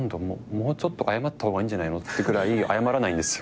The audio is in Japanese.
もうちょっと謝った方がいいんじゃないのってくらい謝らないんですよ。